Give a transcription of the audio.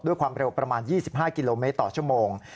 ด้วยความเร็วประมาณ๒๕กิโลเมตรต่อชั่วโมง